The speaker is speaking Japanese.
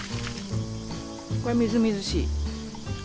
これみずみずしい。